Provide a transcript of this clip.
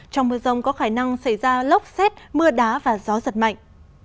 trong mưa rông có khả năng xảy ra lốc xét mưa đá và gió giật mạnh